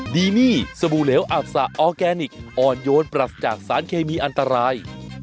ดีนี่สบู่เหลวอับสะออร์แกนิคอ่อนโยนปรัสจากสารเคมีอันตราย